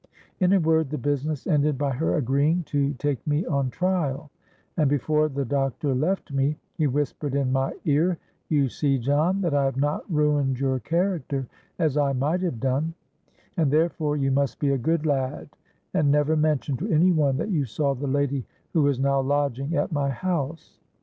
In a word, the business ended by her agreeing to take me on trial; and, before the doctor left me, he whispered in my ear, 'You see, John, that I have not ruined your character as I might have done; and therefore you must be a good lad, and never mention to any one that you saw the lady who is now lodging at my house.'